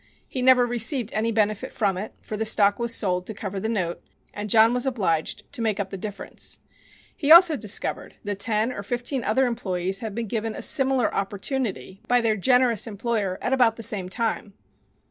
He never received any benefit from it, for the stock was sold to cover the note, and John was obliged to make up the difference. He also discovered that ten or fifteen other employees had been given a similar opportunity by their generous employer at about the same time.